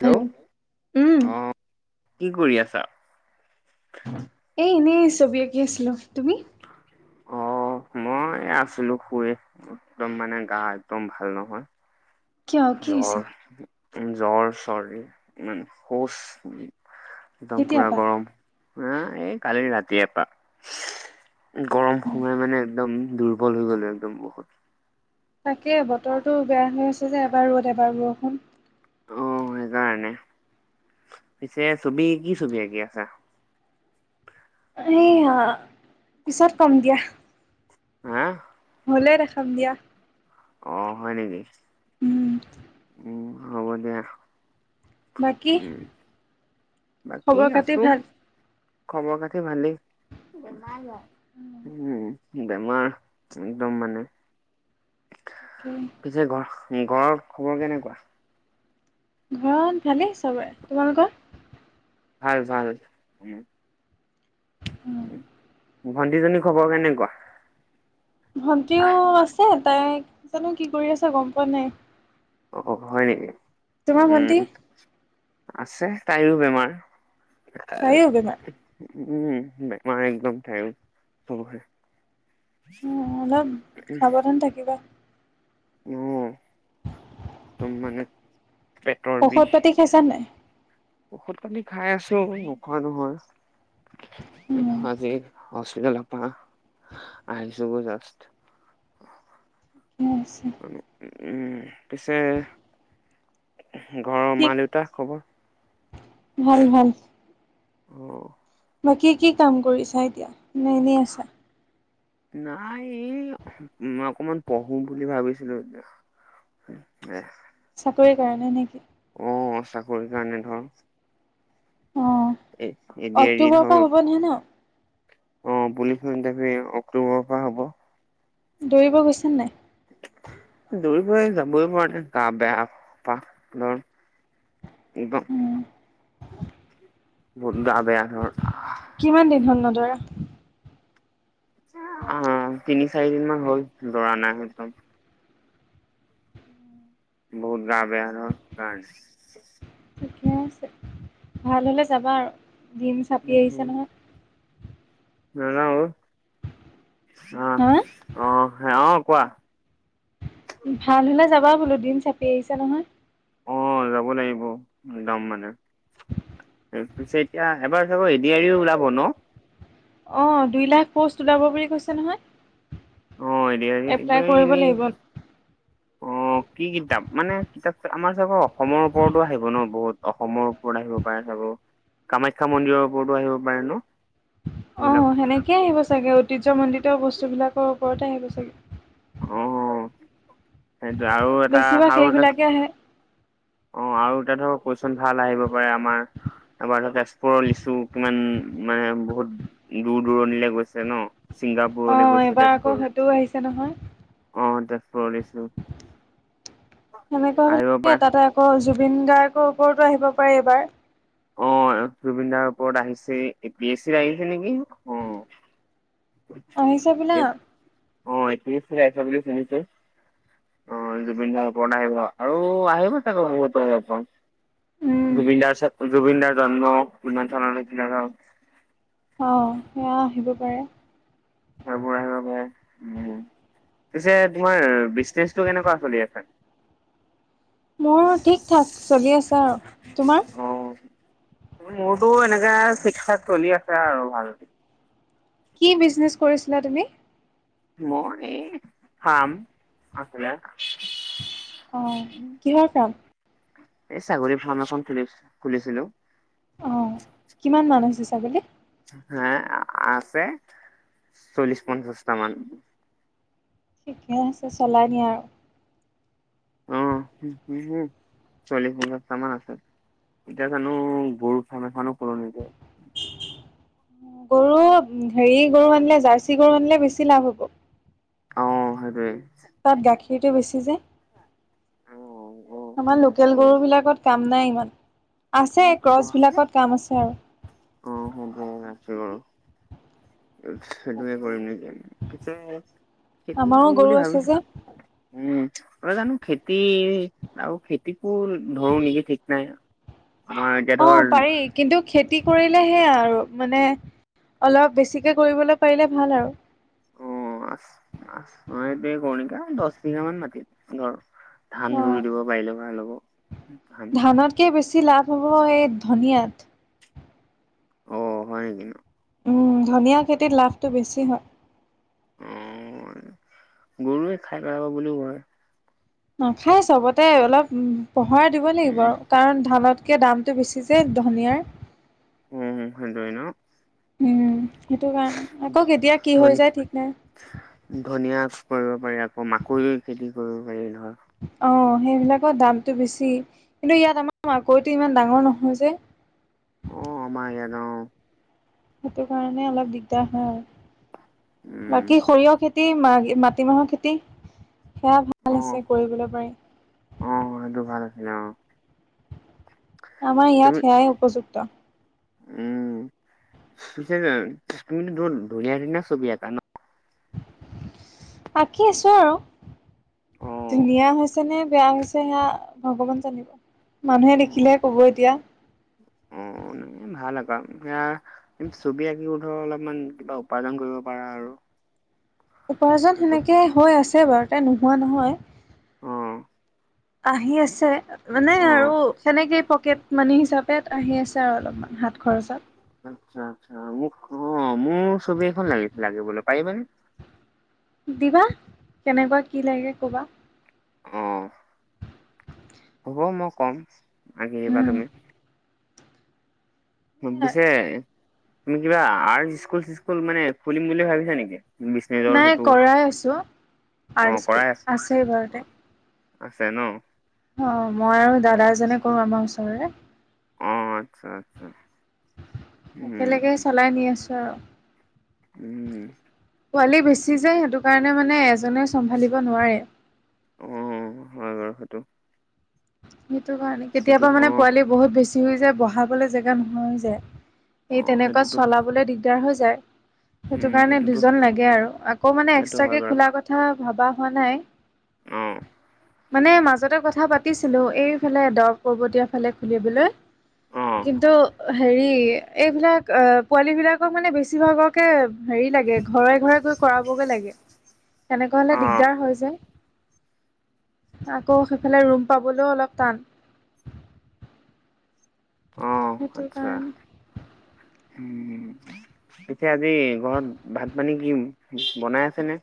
Hello! উম অ, কি কৰি আছা? এ এনেই ছবি আঁকি আছিলো। তুমি? অ- মই আছিলো শুইয়ে, একদম মানে গা একদম ভাল নহয়। কিয় কি হৈছে জ্বৰ, ওম জ্বৰ চৰ্ডী আৰু শৌচ। একদম কেতিয়াৰ পুৰা পৰা গৰম, পুৰা এই কালি ৰাতিয়েই পৰা। গৰম সোমাই মানে একদম দুৰ্বল হৈ গলো, একদম বহুত। তাকে বতৰটো বেয়া হৈ আছে যে, এবাৰ ৰ'দ, এবাৰ বৰষুণ। অ, সেইকাৰণে, পিছে ছবি, কি ছবি আঁকি আছা? এই আ পিছত কম দিয়া। [unintelligible] হ'লে দেখাম দিয়া। অ, হয় নেকি? উম উম হ'ব দিয়া। বাকী উম বাকী খবৰ খাতি আছো। ভাল খবৰ-খাতি ভালেই। উম, বেমাৰ একদম মানে উম' পিছে ঘৰ, ঘৰৰ খবৰ কেনেকুৱা? ঘৰত ভালেই চবৰে। তোমালোকৰ? ভাল-ভাল। উম' উম'। ভণ্টি জনী খবৰ কেনেকুৱা? ভন্টিও আহ আছে, তাই জানো কি কৰি আছে, গম পোৱা নাই। অ, হয় নেকি, তোমাৰ ভন্টি উম' আছে তাইয়ো বেমাৰ। তাইও বেমাৰ উম' বেমাৰ একদম তাইয়ো, চবৰে। উম-উম, অলপ সাৱধান থাকিবা। উম। একদম মানে পেটৰ ঔষধ বিষ। পাতি খাইছা নাই ঔষধ পানী খাই আছোয়ে, নোখোৱা নহয়। উম আজি হস্পিটালৰ পৰা, আহিছোঁ সে জাষ্ট। কিবা হৈছে? উম' পিছে ঘৰৰ মা-দেউতা খবৰ? ভাল-ভাল। অ বাকী কি কাম কৰিছা এতিয়া? নে এনেই আছা। নাই এই, মই অকমান পঢ়ো বুলি ভাবিছিলোঁ এতিয়া। উম' দে। চাকৰি কৰা নাই নেকি? অ, চাকৰিৰ কাৰণে ধৰ। অ, এ এ ডি আৰ ই অক্টোবৰৰ ধৰ পৰা হ'ব নহয় ন? অ, পুলিচ ইন্টাৰভিউ অক্টোবৰৰ পৰা হ'ব। দৌৰিব গৈছে নাই? দৌৰিবই যাবই পৰা নাই, গা বেয়া একদম মোৰ। একদম বহুত গা বেয়া হয়। কিমান দিন হ'ল নদৌৰা? অ, তিনি, চাৰি দিন মান হ'ল দৌৰা নাই একদম। বহুত গা বেয়া ধৰ, আইচ। ঠিকে আছে, ভাল হ'লে যাবা আৰু দিন চাপি আহিছে কাৰণে নহয়। নাযাওঁ অ। হা? অ, হা কোৱা? ভাল হ'লে যাবা বোলো, দিন চাপি আহিছে নহয়। অ, যাব লাগিব, যাম মানে। ত পিছে এতিয়া, এবাৰ চবৰ এ দি আৰিও ওলাব ন? অ, দুই লাখ পোষ্ট ওলাব বুলি কৈছে নহয়। অ, এ দি আৰিত, এ এপ্লাই দি আৰিত কৰিব এনে, লাগিব অ' অ কি কিতাপ মানে কিতাপ আমাৰ চাগে অসমৰ ওপৰতো আহিব ন বহুত অসমৰ ওপৰত আহিব পাৰে চাগৈ? কামাখ্যা মন্দিৰৰ ওপৰতো আহিব পাৰে ন? অ সেইবিলাক সেনেকে আহিব চাগে ঐতিহ্যমণ্ডিত বস্তুবিলাকৰ ওপৰতে আহিব চাগে অ, সেইটোৱে আৰু এটা, বেছিভাগ আৰু এটা সেইবিলাকে আহে অ, আৰু এতিয়া ধৰক কুৱেশন ভাল আহিব পাৰে আমাৰ। আমাৰ তো তেজপুৰৰ লিচু কিমান মানে বহুত দূৰ-দূৰণিলে গৈছে ন। ছিংগাপুৰলে অ' গৈছে এইবাৰ আকৌ তেজপুৰ সেইটোও আহিছে অ তেজপুৰলে সেনেকোৱা আহিব বিলাকে পাৰে তাতে অ জুবিন গাৰ্গৰ ওপৰতো আহিব পাৰে এইবাৰ। অ জুবিন দাৰ ওপৰত আহিছেই এ পি এছ চিত আহিছে নেকি। অ' আহিছে বোলা অ এ পি এ চিত আহিছে বুলি শুনিছো। অ জুবিন দাৰ ওপৰত আহিব আৰু আহিব চাগৈ বহুতৰে ওপৰত উম। জুবিনদাৰ ছাত্ৰ জুবিনদাৰ জন্ম কিমান চনত হৈছিলে ধৰক অ সেয়া আহিব পাৰে। সেইবোৰ আহিব পাৰে উ উম পিছে তোমাৰ বিজনেচটো কেনেকোৱা চলি আছে? মোৰ ঠিক ঠাক চলি আছে আৰু। তোমাৰ? অ। মোৰতো এনেকাে ঠিক ঠাক চলি আছে আৰু ভাল। কি বিজনেছ কৰিছিলা তুমি? মই এই ফাৰ্ম আছিলে। অ' কিহৰ কাম? এই ছাগলী ফাৰ্ম এখন খুলি খুলিছিলো। অ কিমান মান আছে ছাগলী? হে আছে চল্লিশ - পঞ্চাছটা মান। ঠিকে আছে চলাই নিয়া আৰু। অ মোৰ চল্লিছ - পঞ্চাছটা মান আছে। এতিয়া জানো গৰু ফাৰ্ম এখনো খোলো নেকি। গৰু হেৰি গৰু আনিলে জাৰ্চি গৰু আনিলে বেছি লাভ হ'ব। অ সেইটোৱেই। তাত গাখীৰতো বেছি যে, আমাৰ লোকেল গৰুবিলাকত কাম নাই ইমান আছে ক্ৰছবিলাকত কাম আছে আৰু। অ হব আছে বাৰু। সেইটোৱে তাকে কৰিম নেকি? পিছে খেতি আমাৰো কৰিম গৰু বুলি আছে ভাবিছো। যে উম অ জানো খেতি আৰু খেতিকো ধৰো নেকি ঠিক নাই। আমাৰ এতিয়া অ ধৰ পাৰি কিন্তু খেতি কৰিলে সেয়া আৰু মানে অলপ বেছিকে কৰিবলৈ পাৰিলে ভাল আৰু। অ আছ আ অ এইটোৱে কৰো নেকি দশ বিঘামান মাটি ধৰ ধান অ ৰুই দিব পাৰিলো ভাল হব। ধান ধানতকে বেছি লাভ হ'ব এই ধনিয়াত। অ হয় নেকি উম ধনিয়া খেতিত লাভটো বেছি হয়। অ গৰুৱে খাই পেলাব বুলিও ভয়। নাখায় চবতে অলপ পহৰা দিব লাগিব উম আৰু কাৰণ ধালত কে দামটো বেছি যে ধনিয়াৰ। উম হম সেইটোৱে ন উম সেইটো কাৰণে আকৌ কেতিয়া কি ধনী হৈ যায় ঠিক নাই? ধনিয়া কৰিব পাৰি আকৌ মাকৈ খেতি কৰিব পাৰি ধৰ। অ সেইবিলাকৰ দামটো বেছি কিন্তু ইয়াত আমাৰ মাকৈটো ইমান ডাঙৰ নহয় যে। অ আমাৰ ইয়াত অ। সেইটো কাৰণে অলপ দিগদাৰ হয় আৰু। উম, বাকী সৰিয়হ খেতি, মা মাটিমাহৰ খেত তি, সেয়া ভাল অ', আছে কৰিবলৈ পাৰি। অ, সেইটো ভাল আছিলে অ'। আমাৰ তুমি ইয়াত সেয়াই উপযুক্ত। উম পিছে তুমিতো বহুত ধুনীয়া ধুনীয়া ছবি আকা ন? আঁকি আছো আৰু অ', ধুনীয়া হৈ ছে নে বেয়া হৈছে সেয়া ভগৱান জানিব, মানুহে দেখিলেহে কব এতিয়া। উম উম ভাল আকৌ এয়া উম ছবি আঁকি ধৰ অলপমান কিবা উপাৰ্জন কৰিব পাৰা আৰু। উপাৰ্জন সেইটো সেনেকে হৈ আছে বাৰুতে নোহোৱা নহয়। অ', আহি আছে। মানে অ'। আৰু সেনেকেই পকেট মানি হিচাপে আহি আছে আৰু অলপমান হাত খৰচত। আচ্ছা, আচ্ছা মোক অ' মোৰ ছবি এখন লাগিছিলে লাগে বোলে পাৰিবা নে? দিবা, কেনেকুৱা কি লাগে কবা? অ'। হ'ব মই কম, আকি দিবা উম তুমি। উম পিছে তুমি কিবা আৰ্ট স্কুল - চিস্কুল মানে খুলিম বুলি ভাবিছা নেকি? বিজনেজৰ নাই সেইটো, কৰাই আছো আৰ্ট অ' স্কুল কৰাই আছে ঘৰতে অ'। আছে ন। অ, মই আৰু দাদা এজনে কৰো আমাৰ ওচৰৰে। অ আচ্ছা, আচ্ছা। উম একেলগে চলাই নি আছো আৰু। উম। পোৱালি বেছি যে সেইটো কাৰণে মানে এজনে চম্ভালিব নোৱাৰে। অ, হয় বাৰু সেইটো। সেইটো কাৰণে সেইটো কেতিয়াবা অ মানে পোৱালি বহুত বেছি হৈ যায় বহাবলে জেগা নোহোৱা হৈ যায়। অ এই তেনেকুৱা সেইটোতো চলাবলৈ দিগদাৰ হৈ যায়। সেইটো উম কাৰণে সেইটোতো দুজন লাগে আৰু আকৌ মানে সেইটো হয় এক্সট্ৰাকে বাৰু খোলা কথা ভবা হোৱা নাই। অ'। মানে মাজতে কথা পাতিছিলো এইফালে দৰ পৰ্বতীয়া ফালে খুলিবলৈ। অ কিন্তু হেৰি এইবিলাক আ পোৱালীবিলাকক মানে বেছিভাগকে হেৰি লাগে ঘৰে ঘৰে গৈ কৰাবগে লাগে। তেনেকোৱা হলে অ দিগদাৰ হয় যায়। আকৌ সেইফালে ৰুম পাবলৈও অলপ টান। অ' সেইটো আচ্ছা কাৰণে উম। পিছে আজি ঘৰত ভাত - পানী কি বনাই আছে নে?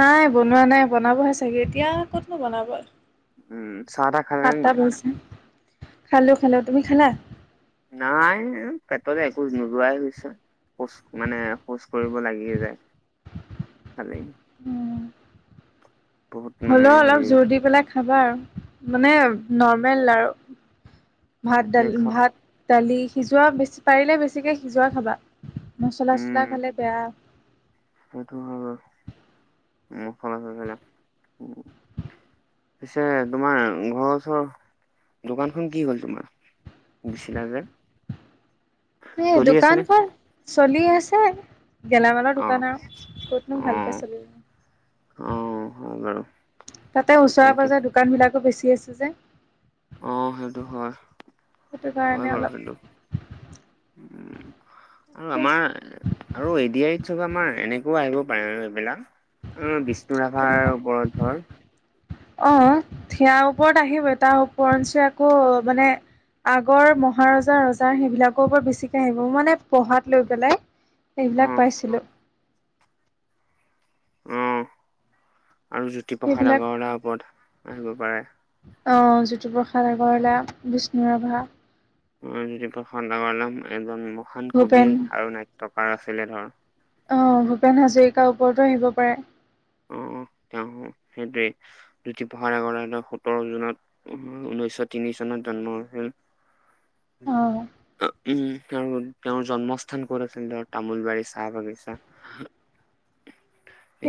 নাই বনোৱা নাই বনাবহে চাগে এতিয়া ক'তনো বনাব? উম চাহ - তাহ খালে নে সাতটা নাই বাজিছে, খালো - খালো তুমি খালা? নাই পেটতে একো নোযোৱাই হৈছে। শৌচ মানে শৌচ কৰিব লাগিয়ে যায় ভালেই। উম। মানে হ'লেও হেৰি অলপ জোৰ দি পেলাই খাবা আৰু মানে নৰ্মেল আৰু। ভাত - এইটোৱে দালি, খাচ ভাত - দালি সিজোৱা বেছি পাৰিলে বেছিকে সিজোৱা খাবা। মচলা - চছলা উম খালে বেয়া। সেইটো হয় বাৰু, মুখলে গ'লেনা ও পিছে তোমাৰ ঘৰৰ ওচৰ, দোকানখন কি হ'ল তোমাৰ? দিছিলা যে? এ চলি আছে নে? দোকানখন চলি আছে। গেলামালৰ অ দোকান আৰু অ ক'তনো ভালকে অ চলিব। হয় তাতে বাৰু। ওচৰে সেইটো পাজৰে দোকান বিলাকো বেছি আছে যে। অ, সেইটো হয়। সেইটো হয় কাৰণে বাৰু অলপ সেইটো উম আৰু আমাৰ আৰু এ ডি আৰ ইত চব আমাৰ এনেকুৱা আহিব পাৰে এইবিলাক। অ, বিষ্ণু কেনেকুৱা ৰাভাৰ ওপৰত ধৰ অ, সেয়াৰ ওপৰত আহিবই তাৰ ওপৰঞ্চি আকৌ মানে আগৰ মহাৰজা ৰজাৰ সেইবিলাকো বৰ বেছিকে আহিব মানে পঢ়াত লৈ পেলাই অ এইবিলাক পাইছিলোঁ। অ আৰু জ্যোতিপ্ৰসাদ সেইবিলাক আগৰৱাৰ ওপৰত আহিব পাৰে। অ জ্যোতিপ্ৰসাদ আগৰৱালা, বিষ্ণু ৰাভা। অ জ্যোতিপ্ৰসাদ আগৰৱালা এজন মহান কবি ভূপেন আৰু নাট্যকাৰ আছিলে ধৰ। অ ভূপেন হাজৰিকাৰ ওপৰতো আহিব পাৰে। অহ তেওঁ সেইটোৱে জ্যোতিপ্ৰসাদ আগৰৱালা সোতৰ জুনত- ঊনৈছশ তিনি চনত জন্ম হৈছিল। উম, অ', তেওঁৰ তেওঁৰ জন্মস্থান ক'ত আছিল? ধৰ তামোল বাৰী চাহ বাগিচা।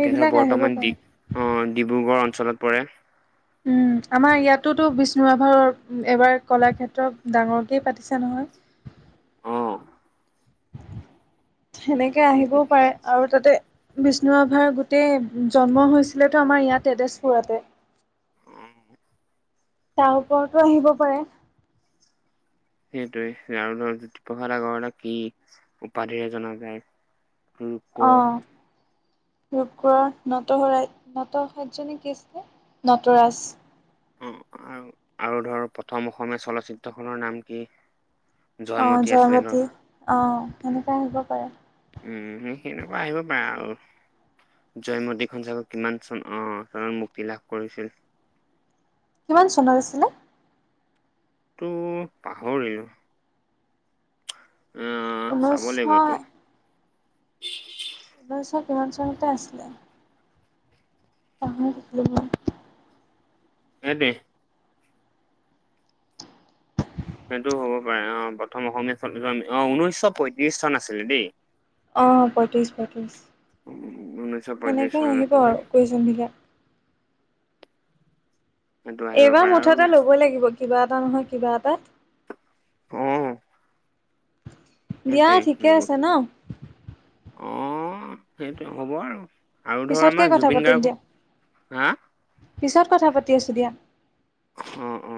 এতিয়া ধৰ আহিব বৰ্তমান ডি পাৰে আহ ডিব্ৰুগড় অঞ্চলত পৰে। উম, আমাৰ ইয়াতোতো বিষ্ণু ৰাভাৰৰ এইবাৰ কলাক্ষেত্ৰ ডাঙৰকেই পাতিছে নহয়। অ। সেনেকে আহিবও পাৰে আৰু তাতে- বিষ্ণুৰাভাৰ গোটেই জন্ম হৈছিল, তেওঁ আমাৰ ইয়াত তেজপুৰতে। তাৰ ওপৰতো আহিব পাৰে। সেইটোৱে আৰু ধৰ জ্যোতিপ্ৰসাদ আগৰৱালাৰ কি উপাধিৰে জনা যায়? অ। ৰূপকোঁৱৰৰ নটশৰাইত নটসৰ্য নে কি আছিলে? নটৰাজ। অ আৰু আৰু ধৰ প্ৰথম অসমীয়া চলচ্চিত্ৰখনৰ নাম কি? অ আছিলে ধৰ 'জয়মতী' অ উম সেনেকুৱা আহিব পাৰে। উম, সেনেকুৱা আহিব পাৰে আৰু। জয়মতীখন চাবা কিমান চন অ চনত মুক্তি লাভ কৰিছিল? কিমান চনত আছিলে? টো পাহৰিলো, আহ চাব লাগিব, ঊনৈছশ এইটো। ঊনৈছ কিমান চনতে আছিলে। পাহৰি থাকিলোঁ মই। এ দে। সেইটো হ'ব পাৰে, অ প্ৰথম অসমীয়া চলবিখন, অ ঊনৈশ পয়ত্ৰিশ চন আছিলে দেই। অ পঁয়ত্ৰিছ পঁয়ত্ৰিছ ঊনৈশ পয়ত্ৰিশ সেনেকে চনত আহিব আছিলে আৰু কুৱেশ্যন বিলাক। সেইটো আহিব এইবাৰ পাৰে মুঠ আৰু এটা ল'বই লাগিব কিবা এটা নহয়, কিবা এটাত। অ দিয়া সেইটোৱে ঠিকে আছে ন। অ সেইটো হ'ব আৰু আৰু ধৰ পিছতকে আমাৰ কথা জুবিন পাতিম গাৰ্গৰ, দিয়া হা? পিছত কথা পাতি আছোঁ দিয়া। অ অ।